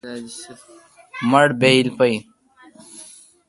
مٹھ بایل پا این۔